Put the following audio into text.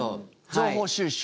情報収集？